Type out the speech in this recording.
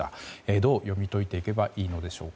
どう読み解いていけばいいのでしょうか。